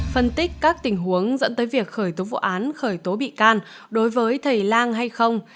phân tích các tình huống dẫn tới việc khởi tố vụ án khởi tố bị can đối với thầy lang hay không